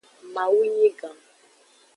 Mawu nyi gan.